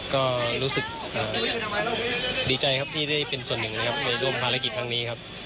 ก็รู้สึกดีใจครับที่ได้เป็นส่วนหนึ่งนะครับในร่วมภารกิจครั้งนี้ครับ